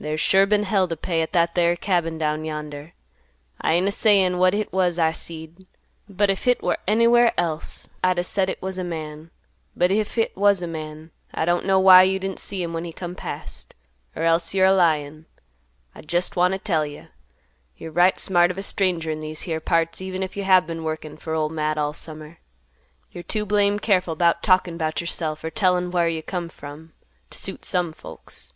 There's sure been hell t' pay at that there cabin down yonder. I ain't a sayin' what hit was I seed, but if hit war anywhere else, I'd a said hit was a man; but if hit was a man, I don't know why you didn't see him when he come past; er else you're a lyin'. I jest want t' tell you, you're right smart of a stranger in these here parts, even if you have been a workin' fer Ol' Matt all summer. You're too blame careful 'bout talkin' 'bout yourself, or tellin' whar you come from, t' suit some folks.